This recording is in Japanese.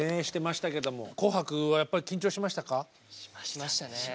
しましたね。